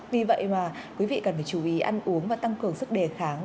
vì vậy mà quý vị cần phải chú ý ăn uống và tăng cường sức đề kháng